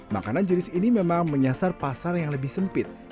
makanan jenis ini memang menyasar pasar yang lebih sempit